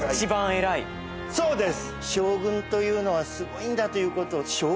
そうです！